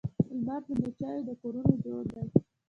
لمر د مچېو د کورونو جوړ دی